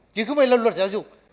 chứ không phải là luật giáo dục